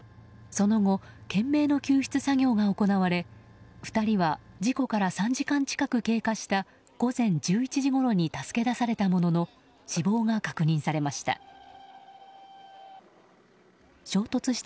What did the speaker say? その後、懸命の救出作業が行われ２人は事故から３時間近く経過した午前１１時ごろに助け出されたものの死亡が確認されました。